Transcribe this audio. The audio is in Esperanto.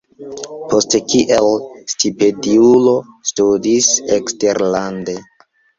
Poste kiel stipendiulo studis eksterlande.